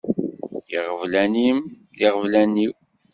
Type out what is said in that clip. Iɣeblan-im d iɣeblan-iw.